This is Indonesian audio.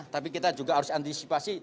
tapi kita juga harus antisipasi